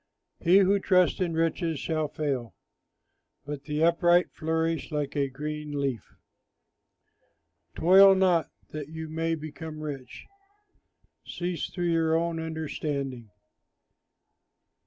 He who trusts in riches shall fail, But the upright flourish like a green leaf. Toil not that you may become rich; Cease through your own understanding.